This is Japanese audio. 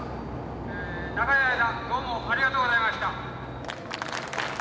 長い間どうもありがとうございました」。